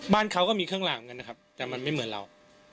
บ้านเขาก็มีเครื่องหลามกันนะครับแต่มันไม่เหมือนเรา